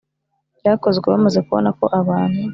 byakozwe bamaze kubona ko abantu